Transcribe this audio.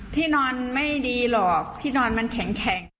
ที่นอนไม่ดีหรอกที่นอนมันแข็ง